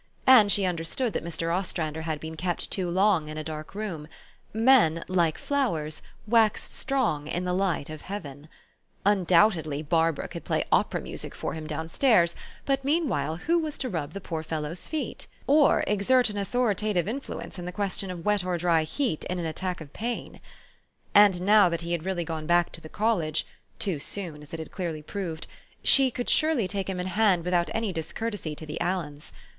And she understood that Mr. Ostrander had been kept too long in a dark room : men, like flowers, waxed strong in the light of heaven. Un 190 TfiE STORY OF AVIS. doubtedly, Barbara could play opera music for him down stairs ; but meanwhile, who was to rub the poor fellow's feet? or exert an authoritative influ ence in the question of wet or dry heat in an attack of pain? And now that he had really gone back to the college (too soon, as it had clearly proved), she could surely take him in hand without any discourtesy to the Aliens.